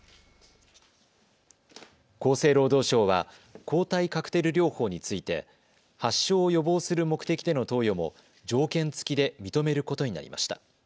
厚生労働省は抗体カクテル療法について発症を予防する目的での投与も条件付きで認めることになりました。